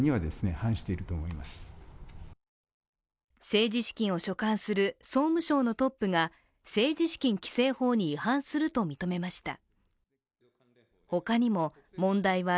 政治資金を所管する総務省のトップが政治資金規正法に違反すると認めました。